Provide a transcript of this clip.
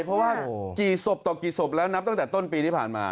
เพราะว่ากี่ศพต่อกี่ศพแล้วนับตั้งแต่ต้นปีที่ผ่านมา